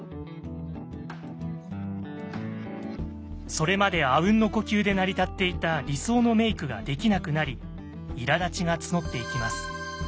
それまであうんの呼吸で成り立っていた理想のメイクができなくなり苛立ちが募っていきます。